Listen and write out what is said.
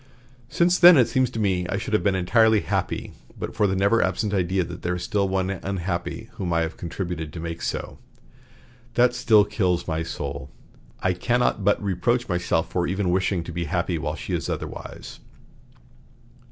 Since then it seems to me I should have been entirely happy, but for the never absent idea that there is one still unhappy whom I have contributed to make so. That still kills my soul. I cannot but reproach myself for even wishing to be happy while she is otherwise."